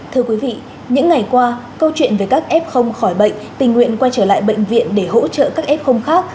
thưa quý vị những ngày qua câu chuyện về các f khỏi bệnh tình nguyện quay trở lại bệnh viện để hỗ trợ các f